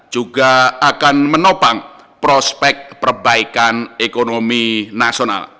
juga akan menopang prospek perbaikan ekonomi nasional